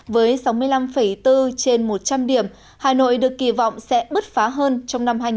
với sáu mươi năm bốn trên một trăm linh điểm hà nội được kỳ vọng sẽ bứt phá hơn trong năm hai nghìn hai mươi